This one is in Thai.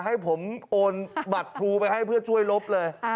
ให้ผมโอนบัตรครูไปให้เพื่อช่วยลบเลย